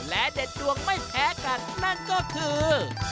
และเด็ดดวงไม่แพ้กันนั่นก็คือ